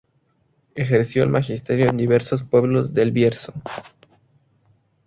Ejerció el magisterio en diversos pueblos del Bierzo.